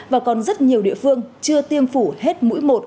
và còn rất nhiều địa phương chưa tiêm phủ hết mũi một